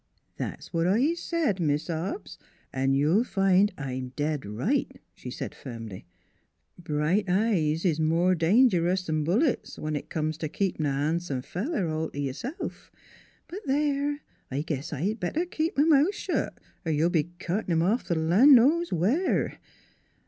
" That's what I said, Mis' Hobbs, an' you'll find I'm dead right," she said firmly. " Bright eyes is more dangerous 'an bullets when it comes t' keepin' a han'some feller all t' yourself. ... But there, I guess I'd better keep m' mouth shet, or you'll be carting him off th' land knows where.